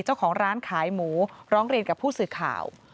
เจ้าของร้านขายหมูร้องเรียนกับผู้สื่อข่าว